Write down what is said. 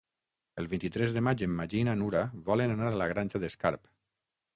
El vint-i-tres de maig en Magí i na Nura volen anar a la Granja d'Escarp.